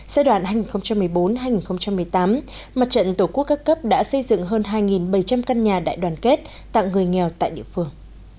giai đoạn hai nghìn một mươi bốn hai nghìn một mươi tám mặt trận tổ quốc các cấp đã xây dựng hơn hai bảy trăm linh căn nhà đại đoàn kết tặng người nghèo tại địa phương